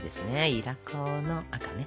いら粉の赤ね。